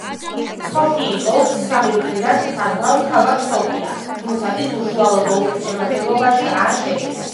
სოფიის ოლქს სამი მხრიდან საზღვრავს ქალაქ სოფია, თუმცა ის უშუალოდ ოლქის შემადგენლობაში არ შედის.